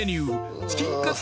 チキンカツ